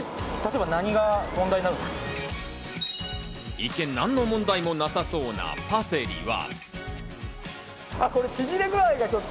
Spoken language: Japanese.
一見、何の問題もなさそうなパセリは。